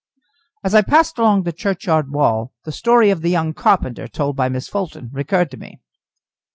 As I passed along the churchyard wall, the story of the young carpenter, told by Miss Fulton, recurred to me.